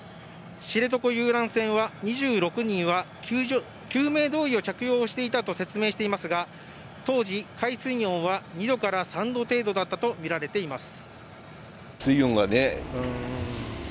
知床遊覧船の２６人は救命胴衣を着用していたと説明していますが当時、海水温は２度から３度程度だったとみられています。